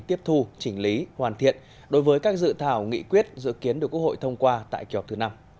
tiếp thu chỉnh lý hoàn thiện đối với các dự thảo nghị quyết dự kiến được quốc hội thông qua tại kỳ họp thứ năm